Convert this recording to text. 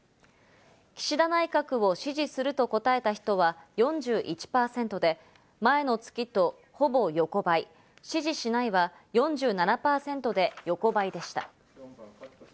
岸田内閣を支持すると答えた人は４１％で、前の月とほぼ横ばい、支持しないは４７％で横ばいでした。